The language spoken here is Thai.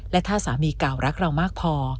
และถ้าสามีเก่ารักเรามากพอ